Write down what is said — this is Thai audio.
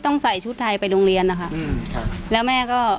น้องคุยด้วยไหมแม่